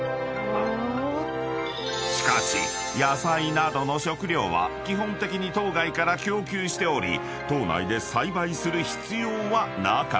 ［しかし野菜などの食料は基本的に島外から供給しており島内で栽培する必要はなかった］